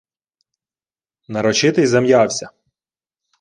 Нарочитий зам'явся.